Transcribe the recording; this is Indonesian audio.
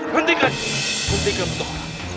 hentikan hentikan betul